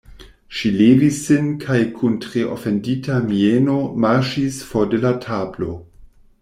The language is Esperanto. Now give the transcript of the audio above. Ŝi levis sin kaj kun tre ofendita mieno marŝis for de la tablo.